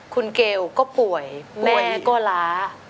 คุณเกลก็ป่วยแม่ก็ล้า